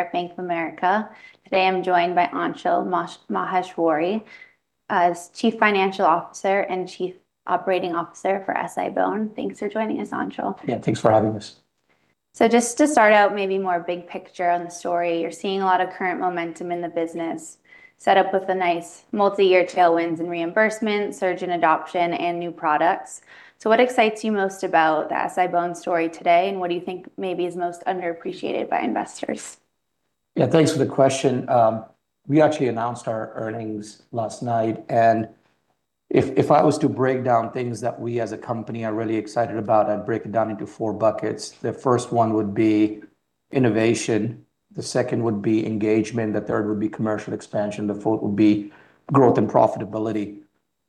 At Bank of America. Today, I'm joined by Anshul Maheshwari, Chief Financial Officer and Chief Operating Officer for SI-BONE. Thanks for joining us, Anshul. Yeah, thanks for having us. Just to start out maybe more big picture on the story, you're seeing a lot of current momentum in the business set up with a nice multi-year tailwinds and reimbursement, surgeon adoption, and new products. What excites you most about the SI-BONE story today, and what do you think maybe is most underappreciated by investors? Yeah, thanks for the question. We actually announced our earnings last night, and if I was to break down things that we as a company are really excited about, I'd break it down into four buckets. The first one would be innovation, the second would be engagement, the third would be commercial expansion, the fourth would be growth and profitability.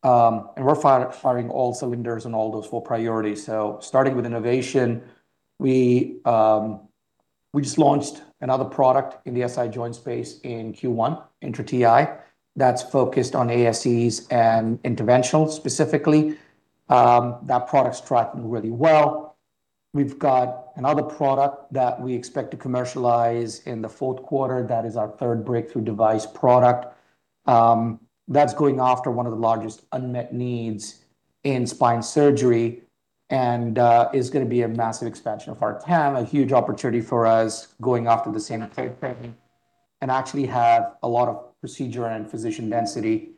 We're firing all cylinders on all those four priorities. Starting with innovation, we just launched another product in the SI joint space in Q1, INTRA Ti, that's focused on ASCs and interventional specifically. That product's tracking really well. We've got another product that we expect to commercialize in the fourth quarter. That is our third Breakthrough Device product. That's going after one of the largest unmet needs in spine surgery and is gonna be a massive expansion of our TAM, a huge opportunity for us going after the same type of patient, and actually have a lot of procedure and physician density.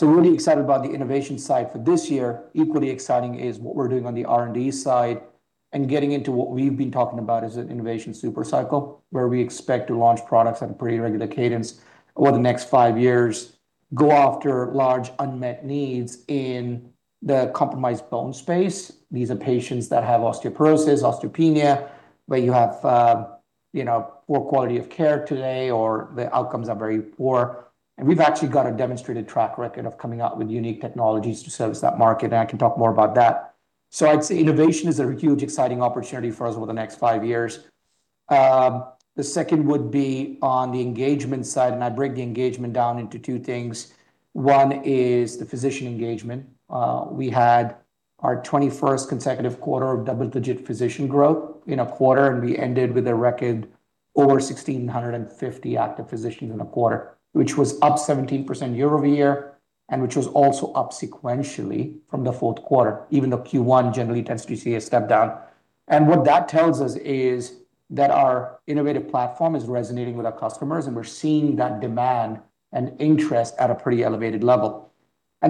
We're really excited about the innovation side for this year. Equally exciting is what we're doing on the R&D side and getting into what we've been talking about as an innovation super cycle, where we expect to launch products at a pretty regular cadence over the next five years, go after large unmet needs in the compromised bone space. These are patients that have osteoporosis, osteopenia, where you have, you know, poor quality of care today or the outcomes are very poor. We've actually got a demonstrated track record of coming up with unique technologies to service that market, and I can talk more about that. I'd say innovation is a huge, exciting opportunity for us over the next five years. The second would be on the engagement side, and I break the engagement down into two things. One is the physician engagement. We had our 21st consecutive quarter of double-digit physician growth in a quarter, and we ended with a record over 1,650 active physicians in a quarter, which was up 17% year-over-year and which was also up sequentially from the fourth quarter, even though Q1 generally tends to see a step down. What that tells us is that our innovative platform is resonating with our customers, and we're seeing that demand and interest at a pretty elevated level.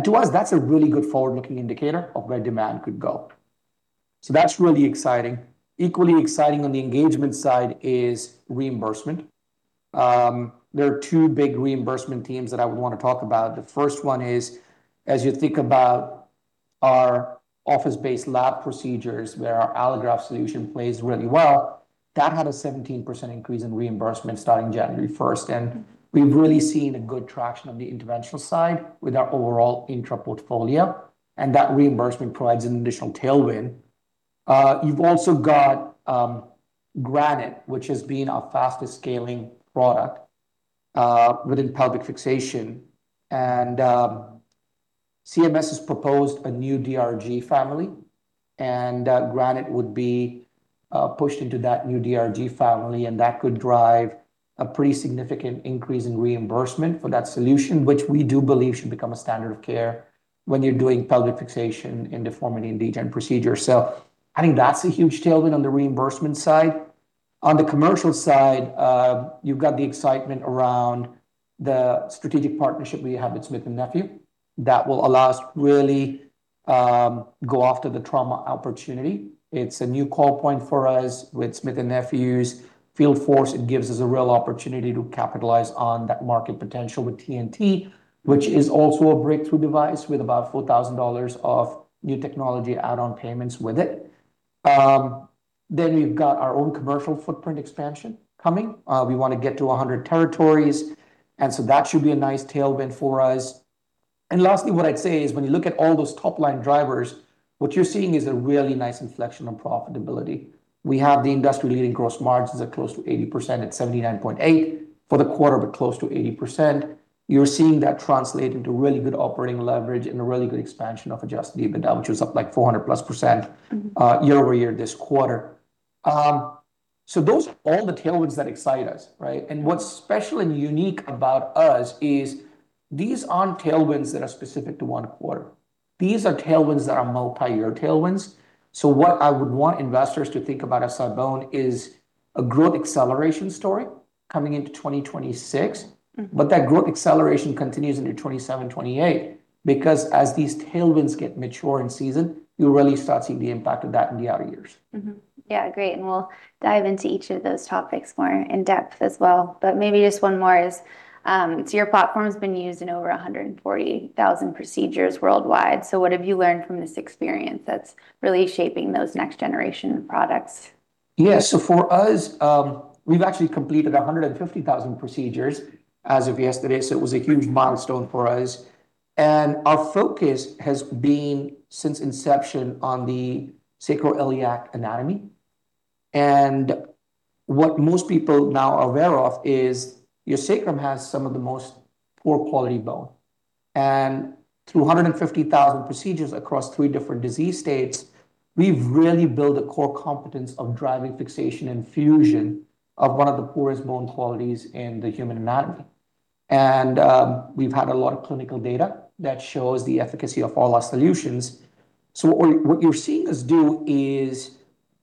To us, that's a really good forward-looking indicator of where demand could go. That's really exciting. Equally exciting on the engagement side is reimbursement. There are two big reimbursement teams that I would wanna talk about. The first one is, as you think about our office-based lab procedures, where our allograft solution plays really well, that had a 17% increase in reimbursement starting January 1st. We've really seen a good traction on the interventional side with our overall INTRA portfolio, and that reimbursement provides an additional tailwind. You've also got Granite, which has been our fastest-scaling product, within pelvic fixation. CMS has proposed a new DRG family, Granite would be pushed into that new DRG family, and that could drive a pretty significant increase in reimbursement for that solution, which we do believe should become a standard of care when you're doing pelvic fixation and deformity in the joint procedure. I think that's a huge tailwind on the reimbursement side. On the commercial side, you've got the excitement around the strategic partnership we have with Smith+Nephew that will allow us to really go after the trauma opportunity. It's a new call point for us with Smith+Nephew's field force. It gives us a real opportunity to capitalize on that market potential with TNT, which is also a Breakthrough Device with about $4,000 of New Technology Add-on Payments with it. We've got our own commercial footprint expansion coming. We wanna get to 100 territories. That should be a nice tailwind for us. Lastly, what I'd say is when you look at all those top-line drivers, what you're seeing is a really nice inflection on profitability. We have the industry-leading gross margins at close to 80%. It's 79.8% for the quarter. Close to 80%. You're seeing that translate into really good operating leverage and a really good expansion of adjusted EBITDA, which was up, like, 400+% year-over-year this quarter. Those are all the tailwinds that excite us, right? What's special and unique about us is these aren't tailwinds that are specific to one quarter. These are tailwinds that are multi-year tailwinds. What I would want investors to think about SI-BONE is a growth acceleration story coming into 2026. That growth acceleration continues into 2027, 2028 because as these tailwinds get mature in season, you'll really start seeing the impact of that in the outer years. Mm-hmm. Yeah, great. We'll dive into each of those topics more in depth as well. Maybe just one more is. Your platform's been used in over 140,000 procedures worldwide. What have you learned from this experience that's really shaping those next generation products? Yeah. For us, we've actually completed 150,000 procedures as of yesterday. It was a huge milestone for us. Our focus has been, since inception, on the sacroiliac anatomy. What most people now are aware of is your sacrum has some of the most poor quality bone. Through 150,000 procedures across three different disease states, we've really built a core competence of driving fixation and fusion of one of the poorest bone qualities in the human anatomy. We've had a lot of clinical data that shows the efficacy of all our solutions. What you're seeing us do is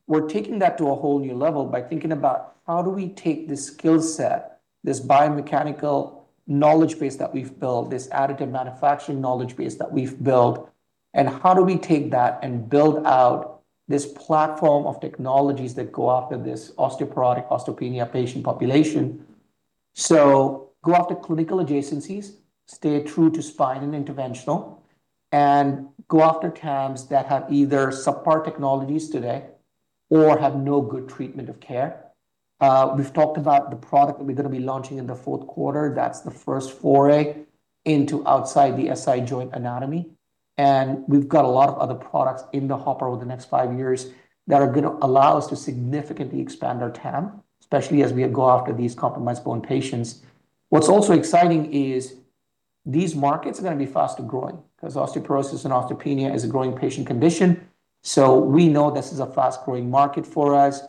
we're taking that to a whole new level by thinking about how do we take this skill set, this biomechanical knowledge base that we've built, this additive manufacturing knowledge base that we've built, and how do we take that and build out this platform of technologies that go after this osteoporotic, osteopenia patient population. Go after clinical adjacencies, stay true to spine and interventional, and go after TAMs that have either subpar technologies today or have no good treatment of care. We've talked about the product that we're gonna be launching in the fourth quarter. That's the first foray into outside the SI joint anatomy. We've got a lot of other products in the hopper over the next five years that are going to allow us to significantly expand our TAM, especially as we go after these compromised bone patients. What's also exciting is these markets are going to be faster growing because osteoporosis and osteopenia is a growing patient condition. We know this is a fast-growing market for us.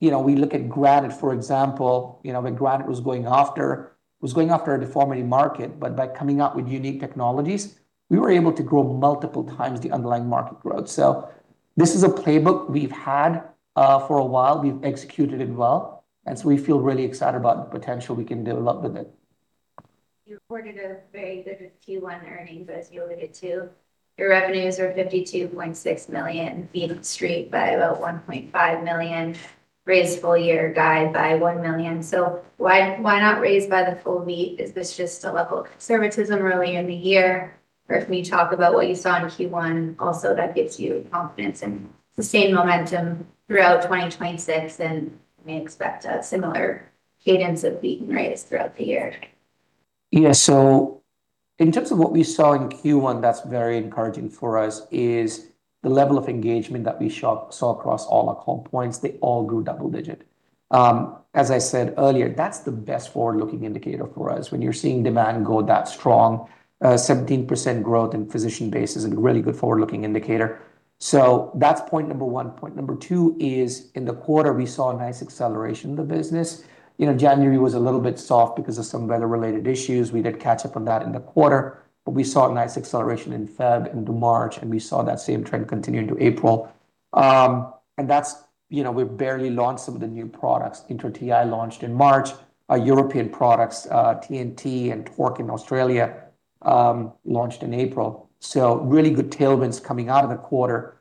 You know, we look at Granite, for example. You know, when Granite was going after a deformity market, but by coming out with unique technologies, we were able to grow multiple times the underlying market growth. This is a playbook we've had for a while. We've executed it well, and so we feel really excited about the potential we can build up with it. You reported a very good Q1 earnings as you alluded to. Your revenues are $52.6 million, beating the street by about $1.5 million, raised full year guide by $1 million. Why, why not raise by the full beat? Is this just a level of conservatism early in the year, or can you talk about what you saw in Q1 also that gives you confidence in sustained momentum throughout 2026, and we expect a similar cadence of beaten rates throughout the year? In terms of what we saw in Q1 that's very encouraging for us is the level of engagement that we saw across all our call points. They all grew double-digit. As I said earlier, that's the best forward-looking indicator for us. When you're seeing demand go that strong, 17% growth in physician base is a really good forward-looking indicator. That's point number one. Point number two is in the quarter, we saw a nice acceleration in the business. You know, January was a little bit soft because of some weather-related issues. We did catch up on that in the quarter, we saw a nice acceleration in February into March, we saw that same trend continue into April. That's, you know, we've barely launched some of the new products. INTRA Ti launched in March. Our European products, TNT and TORQ in Australia, launched in April. Really good tailwinds coming out of the quarter.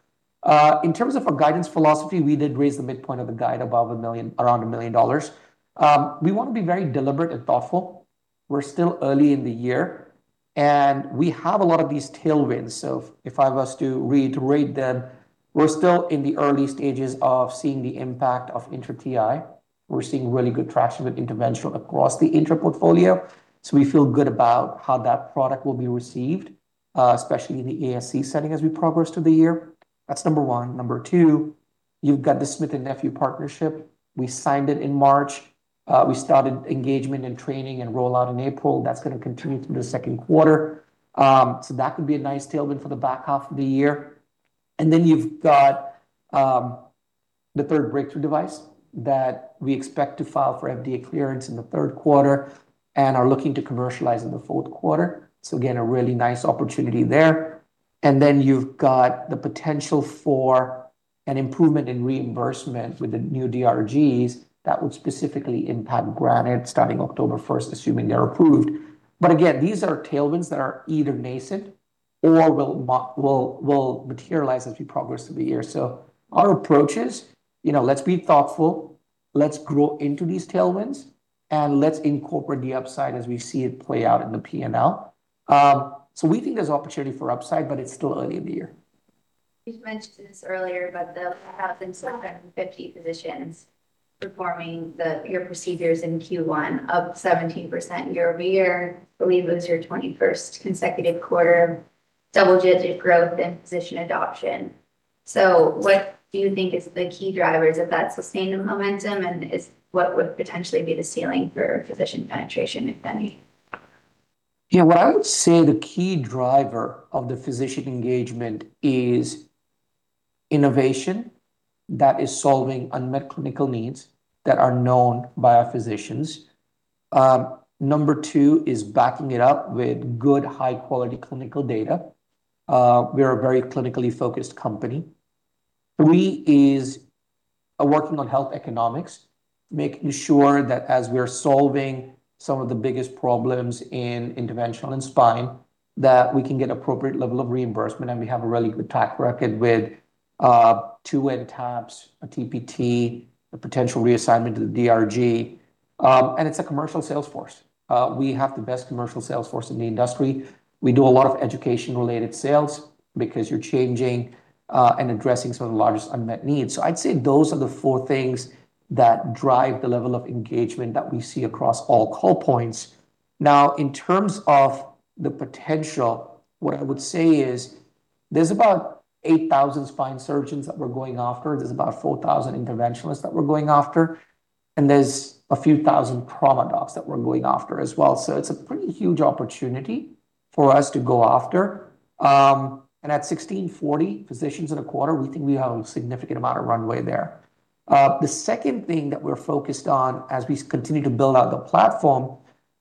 In terms of our guidance philosophy, we did raise the midpoint of the guide above $1 million, around $1 million. We want to be very deliberate and thoughtful. We're still early in the year, and we have a lot of these tailwinds. If I was to reiterate them, we're still in the early stages of seeing the impact of INTRA Ti. We're seeing really good traction with interventional across the INTRA portfolio. We feel good about how that product will be received, especially in the ASC setting as we progress through the year. That's number one. Number two, you've got the Smith+Nephew partnership. We signed it in March. We started engagement and training and rollout in April. That's going to continue through the second quarter. That could be a nice tailwind for the back half of the year. You've got the third Breakthrough Device that we expect to file for FDA clearance in the third quarter and are looking to commercialize in the fourth quarter. Again, a really nice opportunity there. You've got the potential for an improvement in reimbursement with the new DRGs that would specifically impact Granite starting October 1st, assuming they're approved. Again, these are tailwinds that are either nascent or will materialize as we progress through the year. Our approach is, you know, let's be thoughtful, let's grow into these tailwinds, and let's incorporate the upside as we see it play out in the P&L. We think there's opportunity for upside, but it's still early in the year. You've mentioned this earlier, the 5,750 physicians performing your procedures in Q1 up 17% year-over-year, I believe it was your 21st consecutive quarter double-digit growth in physician adoption. What do you think is the key drivers of that sustained momentum, and what would potentially be the ceiling for physician penetration, if any? Yeah. What I would say the key driver of the physician engagement is innovation that is solving unmet clinical needs that are known by our physicians. Number two is backing it up with good, high-quality clinical data. We are a very clinically focused company. Three is working on health economics, making sure that as we are solving some of the biggest problems in interventional and spine, that we can get appropriate level of reimbursement, and we have a really good track record with two NTAPs, a TPT, a potential reassignment to the DRG. It's a commercial sales force. We have the best commercial sales force in the industry. We do a lot of education-related sales because you're changing and addressing some of the largest unmet needs. I'd say those are the four things that drive the level of engagement that we see across all call points. In terms of the potential, what I would say is there's about 8,000 spine surgeons that we're going after. There's about 4,000 interventionalists that we're going after. There's a few thousand trauma docs that we're going after as well. It's a pretty huge opportunity for us to go after. At 1,640 physicians in a quarter, we think we have a significant amount of runway there. The second thing that we're focused on as we continue to build out the platform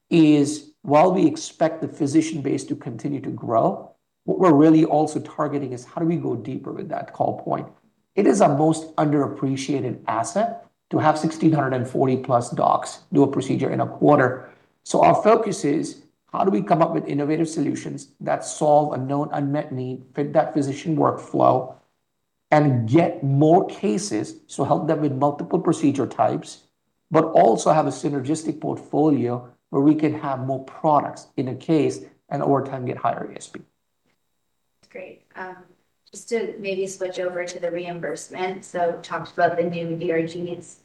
is, while we expect the physician base to continue to grow, what we're really also targeting is how do we go deeper with that call point. It is our most underappreciated asset to have 1,640+ docs do a procedure in a quarter. Our focus is how do we come up with innovative solutions that solve a known unmet need, fit that physician workflow, and get more cases, so help them with multiple procedure types, but also have a synergistic portfolio where we can have more products in a case and over time get higher ASP. Great. Just to maybe switch over to the reimbursement. Talked about the new DRGs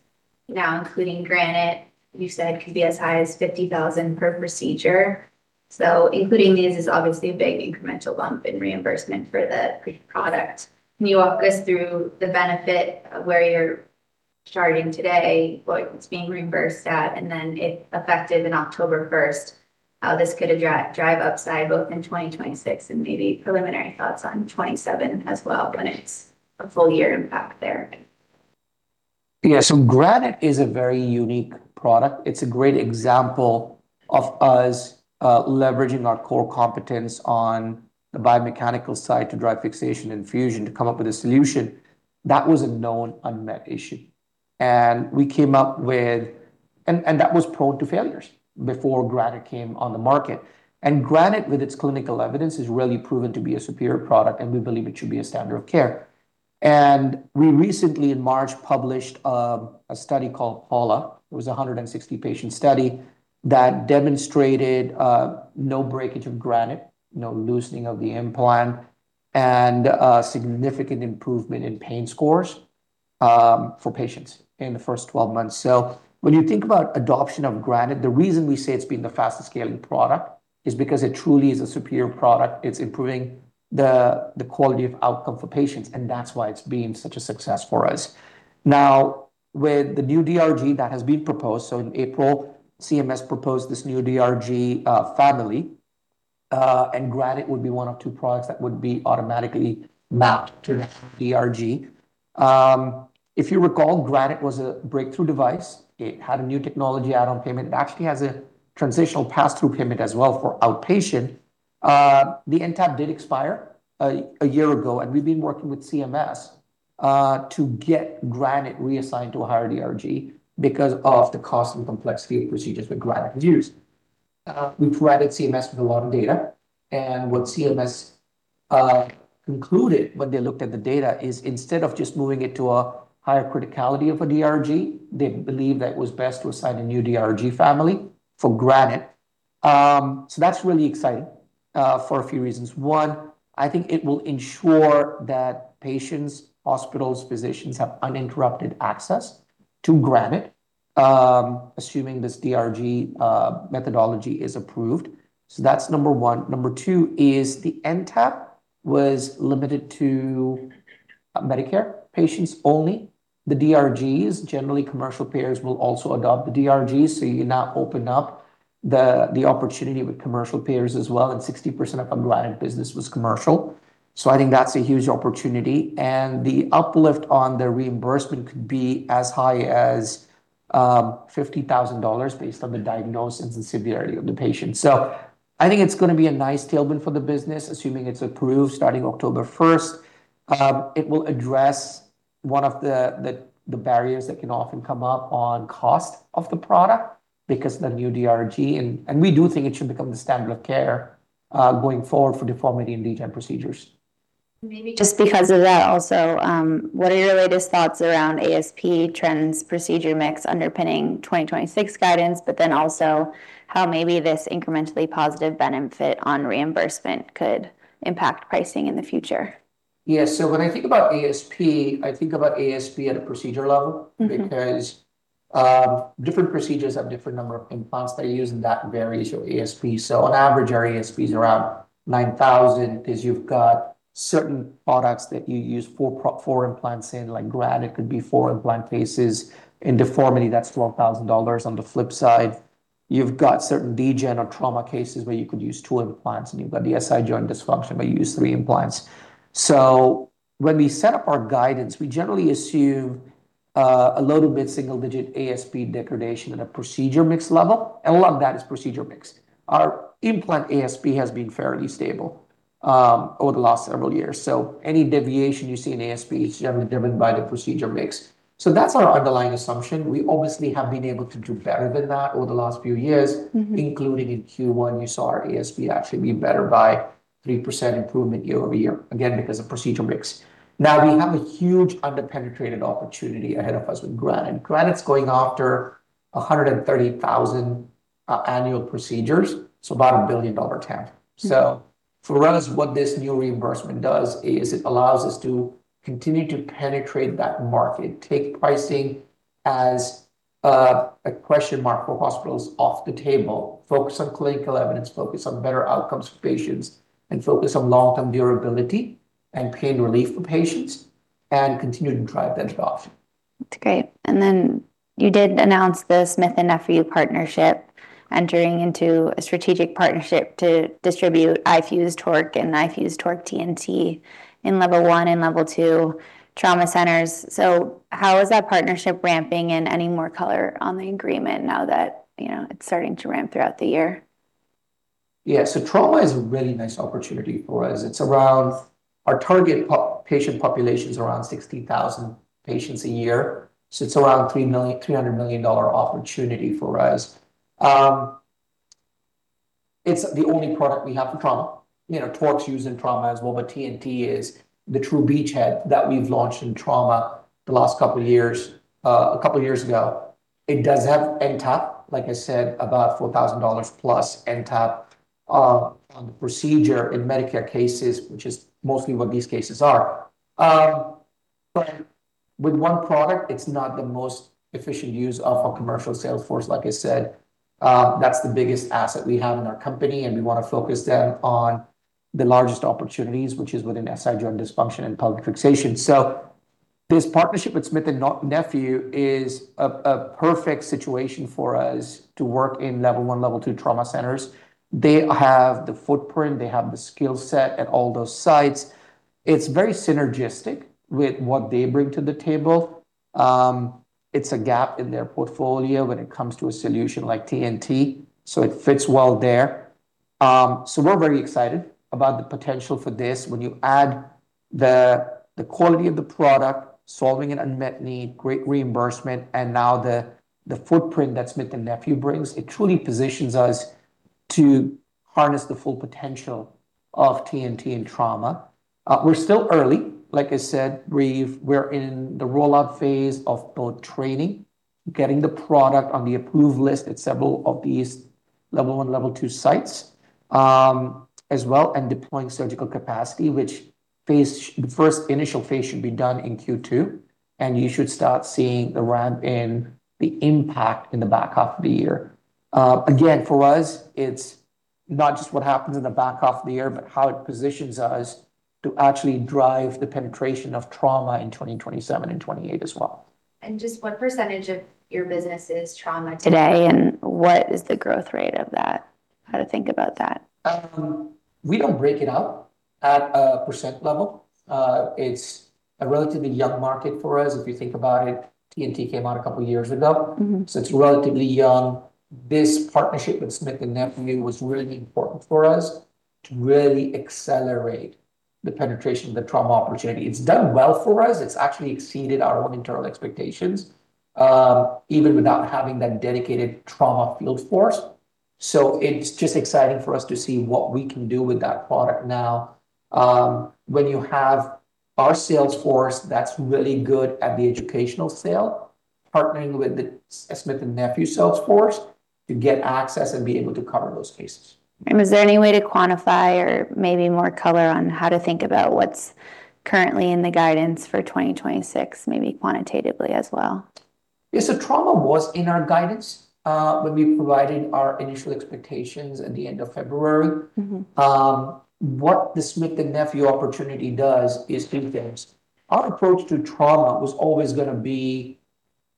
now including Granite, you said could be as high as $50,000 per procedure. Including these is obviously a big incremental bump in reimbursement for the pre product. Can you walk us through the benefit of where you're starting today, what it's being reimbursed at, and then if effective in October 1st, how this could drive upside both in 2026 and maybe preliminary thoughts on 2027 as well when it's a full year impact there? Yeah. Granite is a very unique product. It's a great example of us leveraging our core competence on the biomechanical side to drive fixation and fusion to come up with a solution that was a known unmet issue. That was prone to failures before Granite came on the market. Granite, with its clinical evidence, has really proven to be a superior product, and we believe it should be a standard of care. We recently, in March, published a study called PAULA. It was a 160-patient study that demonstrated no breakage of Granite, no loosening of the implant, and significant improvement in pain scores for patients in the first 12 months. When you think about adoption of Granite, the reason we say it's been the fastest-scaling product is because it truly is a superior product. It's improving the quality of outcome for patients, and that's why it's been such a success for us. Now, with the new DRG that has been proposed, in April, CMS proposed this new DRG family, and Granite would be one of two products that would be automatically mapped to the DRG. If you recall, Granite was a Breakthrough Device. It had a New Technology Add-on Payment. It actually has a transitional pass-through payment as well for outpatient. The NTAP did expire a year ago, and we've been working with CMS to get Granite reassigned to a higher DRG because of the cost and complexity of procedures that Granite is used. We've provided CMS with a lot of data, and what CMS concluded when they looked at the data is instead of just moving it to a higher criticality of a DRG, they believed that it was best to assign a new DRG family for Granite. That's really exciting for a few reasons. One, I think it will ensure that patients, hospitals, physicians have uninterrupted access to Granite, assuming this DRG methodology is approved. That's number one. Number two is the NTAP was limited to Medicare patients only. The DRGs, generally commercial payers will also adopt the DRGs, so you now open up the opportunity with commercial payers as well, and 60% of Granite business was commercial. I think that's a huge opportunity. The uplift on the reimbursement could be as high as $50,000 based on the diagnosis and severity of the patient. I think it's gonna be a nice tailwind for the business, assuming it's approved starting October 1st. It will address one of the barriers that can often come up on cost of the product because the new DRG, and we do think it should become the standard of care going forward for deformity and degenerative procedures. Maybe just because of that also, what are your latest thoughts around ASP trends, procedure mix underpinning 2026 guidance, but then also how maybe this incrementally positive benefit on reimbursement could impact pricing in the future? Yeah. When I think about ASP, I think about ASP at a procedure level. Different procedures have different number of implants they use, and that varies your ASP. On average, our ASP is around $9,000 because you've got certain products that you use four implants in. Like Granite could be four implant cases. In deformity, that's $12,000. On the flip side, you've got certain degen or trauma cases where you could use two implants, and you've got the SI joint dysfunction where you use three implants. When we set up our guidance, we generally assume a low to mid single-digit ASP degradation at a procedure mix level, and a lot of that is procedure mix. Our implant ASP has been fairly stable over the last several years. Any deviation you see in ASP is generally driven by the procedure mix. That's our underlying assumption. We obviously have been able to do better than that over the last few years. Including in Q1, you saw our ASP actually be better by 3% improvement year-over-year, again, because of procedure mix. Now, we have a huge under-penetrated opportunity ahead of us with Granite. Granite's going after 130,000 annual procedures, so about a $1 billion TAM. For us, what this new reimbursement does is it allows us to continue to penetrate that market, take pricing as a question mark for hospitals off the table, focus on clinical evidence, focus on better outcomes for patients, and focus on long-term durability. Pain relief for patients and continuing to drive [bench off]. That's great. You did announce the Smith+Nephew partnership entering into a strategic partnership to distribute iFuse TORQ and iFuse TORQ TNT in Level 1 and Level 2 trauma centers. How is that partnership ramping and any more color on the agreement now that, you know, it's starting to ramp throughout the year? Trauma is a really nice opportunity for us. Our target patient population is around 60,000 patients a year, so it's around a $300 million opportunity for us. It's the only product we have for trauma. You know, TORQ's used in trauma as well, but TNT is the true beachhead that we've launched in trauma the last couple of years, a couple of years ago. It does have NTAP, like I said, about $4,000+ NTAP on the procedure in Medicare cases, which is mostly what these cases are. With one product, it's not the most efficient use of our commercial sales force. Like I said, that's the biggest asset we have in our company, and we want to focus them on the largest opportunities, which is within SI joint dysfunction and pelvic fixation. This partnership with Smith+Nephew is a perfect situation for us to work in Level 1, Level 2 trauma centers. They have the footprint, they have the skill set at all those sites. It's very synergistic with what they bring to the table. It's a gap in their portfolio when it comes to a solution like TNT, so it fits well there. We're very excited about the potential for this. When you add the quality of the product, solving an unmet need, great reimbursement, and now the footprint that Smith+Nephew brings, it truly positions us to harness the full potential of TNT and trauma. We're still early. Like I said, we're in the rollout phase of both training, getting the product on the approved list at several of these Level 1, Level 2 sites, as well and deploying surgical capacity, which first initial phase should be done in Q2, you should start seeing the ramp in the impact in the back half of the year. Again, for us, it's not just what happens in the back half of the year, but how it positions us to actually drive the penetration of trauma in 2027 and 2028 as well. Just what percentage of your business is trauma today, and what is the growth rate of that? How to think about that. We don't break it out at a percent level. It's a relatively young market for us. If you think about it, TNT came out a couple of years ago. It's relatively young. This partnership with Smith+Nephew was really important for us to really accelerate the penetration of the trauma opportunity. It's done well for us. It's actually exceeded our own internal expectations, even without having that dedicated trauma field force. It's just exciting for us to see what we can do with that product now, when you have our sales force that's really good at the educational sale, partnering with the Smith+Nephew sales force to get access and be able to cover those cases. Was there any way to quantify or maybe more color on how to think about what's currently in the guidance for 2026, maybe quantitatively as well? Yes. Trauma was in our guidance, when we provided our initial expectations at the end of February. What the Smith+Nephew opportunity does is two things. Our approach to trauma was always gonna be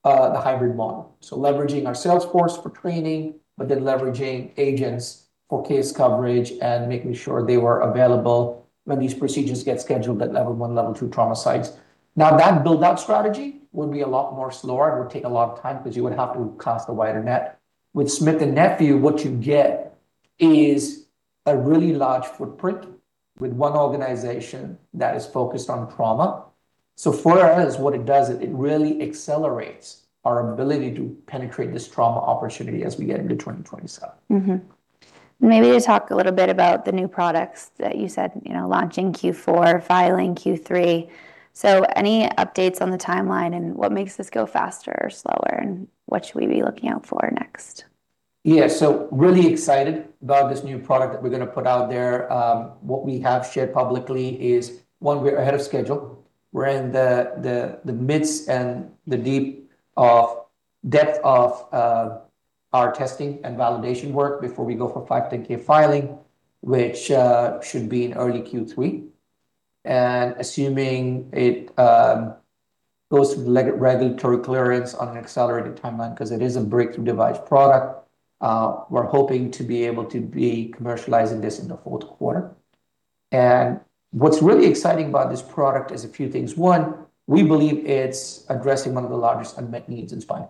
the hybrid model. Leveraging our sales force for training, leveraging agents for case coverage and making sure they were available when these procedures get scheduled at Level 1, Level 2 trauma sites. That build-out strategy would be a lot more slower. It would take a lot of time because you would have to cast a wider net. With Smith+Nephew, what you get is a really large footprint with one organization that is focused on trauma. What it does is it really accelerates our ability to penetrate this trauma opportunity as we get into 2027. Maybe to talk a little bit about the new products that you said, you know, launching Q4, filing Q3. Any updates on the timeline, and what makes this go faster or slower, and what should we be looking out for next? Really excited about this new product that we're gonna put out there. What we have shared publicly is, one, we're ahead of schedule. We're in the midst and the deep of depth of our testing and validation work before we go for 510(k) filing, which should be in early Q3. Assuming it goes through the regulatory clearance on an accelerated timeline because it is a Breakthrough Device product, we're hoping to be able to be commercializing this in the fourth quarter. What's really exciting about this product is a few things. One, we believe it's addressing one of the largest unmet needs in spine.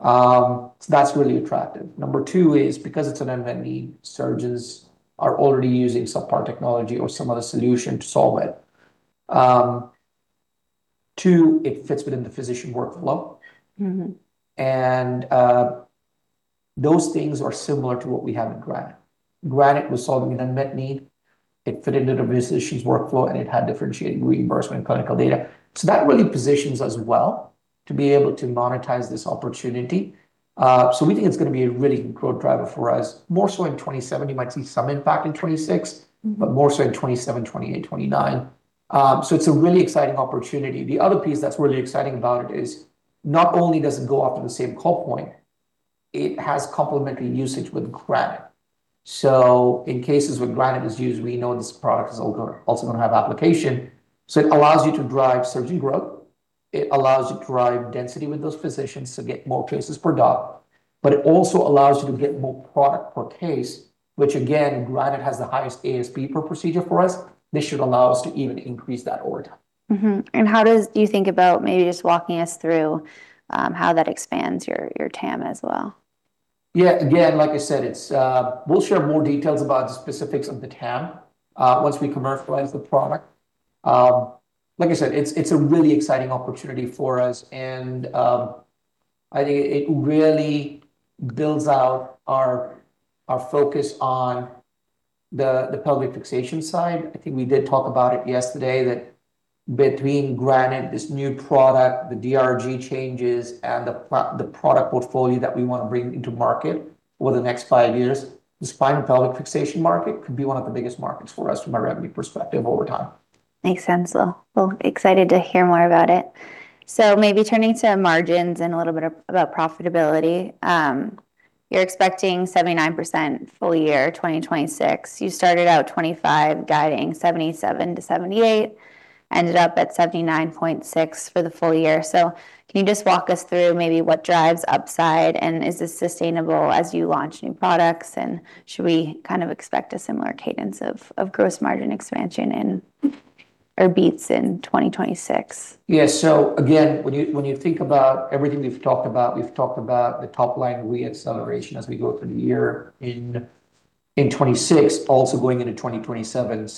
That's really attractive. Number two is because it's an unmet need, surgeons are already using subpar technology or some other solution to solve it. Two, it fits within the physician workflow. Those things are similar to what we have in Granite. Granite was solving an unmet need. It fit into the physician's workflow, and it had differentiated reimbursement and clinical data. That really positions us well to be able to monetize this opportunity. We think it's gonna be a really good growth driver for us, more so in 2027. You might see some impact in 2026, but more so in 2027, 2028, 2029. It's a really exciting opportunity. The other piece that's really exciting about it is not only does it go after the same call point. It has complementary usage with Granite. In cases where Granite is used, we know this product is also gonna have application. It allows you to drive surgeon growth, it allows you to drive density with those physicians to get more cases per doc, but it also allows you to get more product per case, which again, Granite has the highest ASP per procedure for us. This should allow us to even increase that over time. How do you think about maybe just walking us through how that expands your TAM as well? Again, like I said, it's we'll share more details about the specifics of the TAM once we commercialize the product. Like I said, it's a really exciting opportunity for us and I think it really builds out our focus on the pelvic fixation side. I think we did talk about it yesterday that between Granite, this new product, the DRG changes and the product portfolio that we wanna bring into market over the next five years, the spine and pelvic fixation market could be one of the biggest markets for us from a revenue perspective over time. Makes sense. Well, excited to hear more about it. Maybe turning to margins and a little bit about profitability. You're expecting 79% full year 2026. You started out 2025 guiding 77%-78%, ended up at 79.6% for the full year. Can you just walk us through maybe what drives upside and is this sustainable as you launch new products, and should we kind of expect a similar cadence of gross margin expansion in, or beats in 2026? Yeah. Again, when you, when you think about everything we've talked about, we've talked about the top line re-acceleration as we go through the year in 2026, also going into 2027.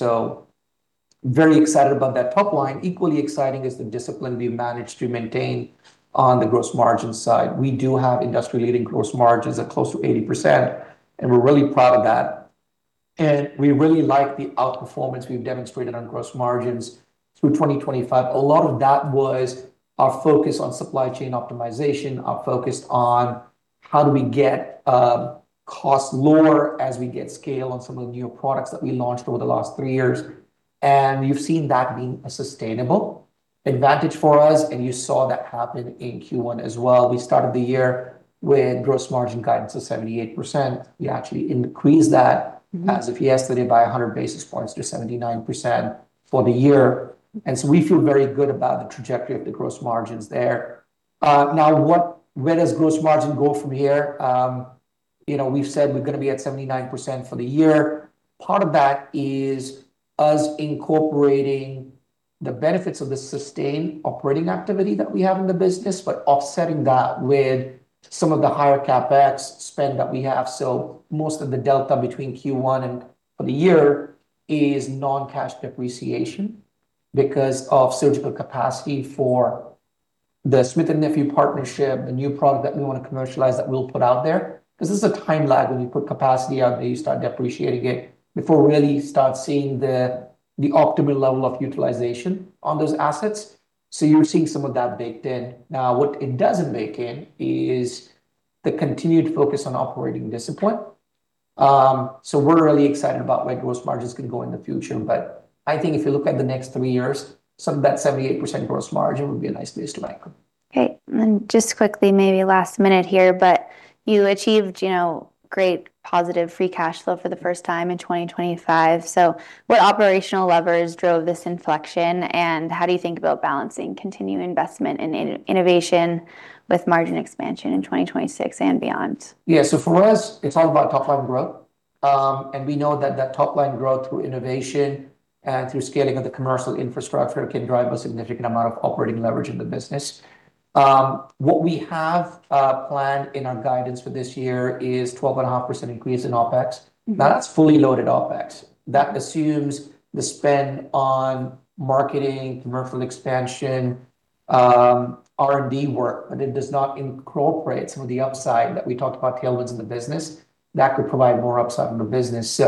Very excited about that top line. Equally exciting is the discipline we've managed to maintain on the gross margin side. We do have industry-leading gross margins at close to 80%, and we're really proud of that. We really like the outperformance we've demonstrated on gross margins through 2025. A lot of that was our focus on supply chain optimization, our focus on how do we get costs lower as we get scale on some of the newer products that we launched over the last three years. You've seen that being a sustainable advantage for us, and you saw that happen in Q1 as well. We started the year with gross margin guidance of 78%. We actually increased that as of yesterday by 100 basis points to 79% for the year. We feel very good about the trajectory of the gross margins there. Now, where does gross margin go from here? You know, we've said we're gonna be at 79% for the year. Part of that is us incorporating the benefits of the sustained operating activity that we have in the business, but offsetting that with some of the higher CapEx spend that we have. Most of the delta between Q1 and for the year is non-cash depreciation because of surgical capacity for the Smith+Nephew partnership, the new product that we wanna commercialize that we'll put out there. There's a time lag when you put capacity out there, you start depreciating it before we really start seeing the optimal level of utilization on those assets. You're seeing some of that baked in. Now, what it doesn't bake in is the continued focus on operating discipline. We're really excited about where gross margins can go in the future. I think if you look at the next three years, some of that 78% gross margin would be a nice place to land. Just quickly, maybe last minute here, but you achieved, you know, great positive free cash flow for the first time in 2025. What operational levers drove this inflection, and how do you think about balancing continued investment in innovation with margin expansion in 2026 and beyond? Yeah. For us, it's all about top line growth. We know that that top line growth through innovation and through scaling of the commercial infrastructure can drive a significant amount of operating leverage in the business. What we have planned in our guidance for this year is 12.5% increase in OpEx. That's fully loaded OpEx. That assumes the spend on marketing, commercial expansion, R&D work, but it does not incorporate some of the upside that we talked about tailwinds in the business that could provide more upside in the business.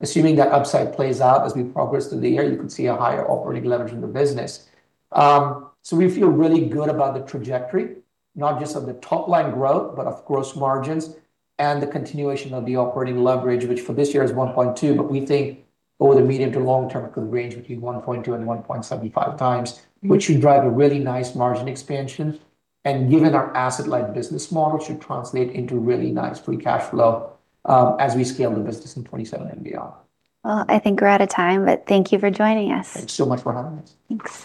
Assuming that upside plays out as we progress through the year, you could see a higher operating leverage in the business. We feel really good about the trajectory, not just of the top line growth, but of gross margins and the continuation of the operating leverage, which for this year is 1.2, but we think over the medium to long term it could range between 1.2 and 1.75 times, which should drive a really nice margin expansion, and given our asset light business model, should translate into really nice free cash flow as we scale the business in 2027 and beyond. Well, I think we're out of time. Thank you for joining us. Thanks so much for having us. Thanks.